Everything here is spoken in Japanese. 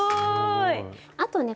あとね